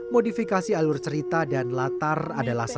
modifikasi alur cerita dan latar adalah salah